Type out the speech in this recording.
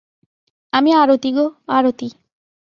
আমি আরতি গো, আরতি।